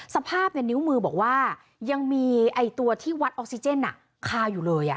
สภาพนิ้วมือบอกว่ายังมีตัวที่วัดออกซิเจนคาอยู่เลย